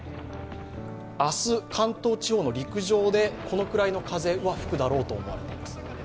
明日、関東地方の陸上でこれくらいの風は吹くだろうといわれています。